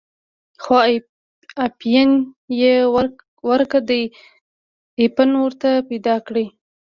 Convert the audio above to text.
خو اپین یې ورک دی، اپین ورته پیدا کړئ.